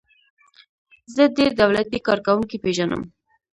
زه ډیر دولتی کارکوونکي پیژنم.